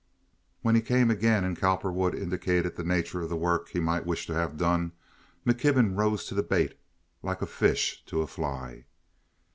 When he came again and Cowperwood indicated the nature of the work he might wish to have done McKibben rose to the bait like a fish to a fly.